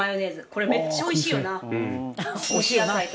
これ、めっちゃおいしいよな。